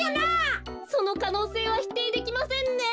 そのかのうせいはひていできませんね。